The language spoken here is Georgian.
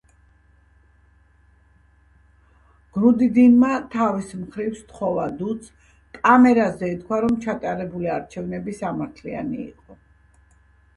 გრუდინინმა, თავის მხრივ, სთხოვა დუდს, კამერაზე ეთქვა, რომ ჩატარებული არჩევნები სამართლიანი იყო.